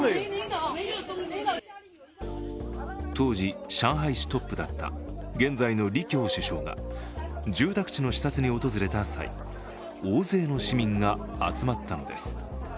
当時、上海市トップだった現在の李強首相が住宅地の視察に訪れた際、大勢の市民が集まったのです。